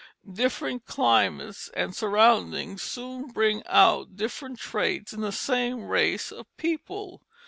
Different climates and surroundings soon bring out different traits in the same race of people.